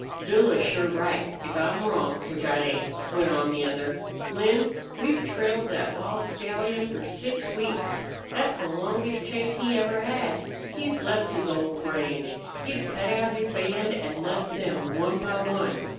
"Bill is sure right, if I'm wrong, which I ain't," went on the other. "Lin, we've trailed thet wild stallion for six weeks. Thet's the longest chase he ever had. He's left his old range. He's cut out his band, an' left them, one by one.